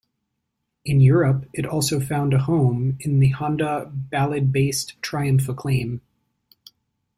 In Europe it also found a home in the Honda Ballade-based Triumph Acclaim.